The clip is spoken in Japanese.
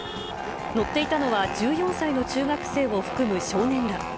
乗っていたのは１４歳の中学生を含む少年ら。